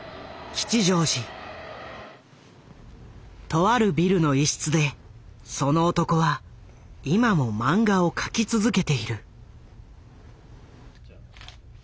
とあるビルの一室でその男は今も漫画を描き続けている。